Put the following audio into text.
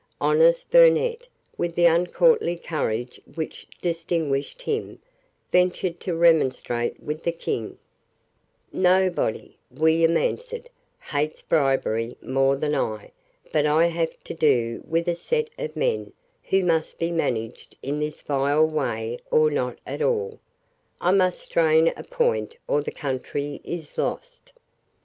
Honest Burnet, with the uncourtly courage which distinguished him, ventured to remonstrate with the King. "Nobody," William answered, "hates bribery more, than I. But I have to do with a set of men who must be managed in this vile way or not at all. I must strain a point or the country is lost."